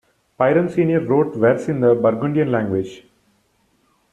Piron senior wrote verse in the Burgundian language.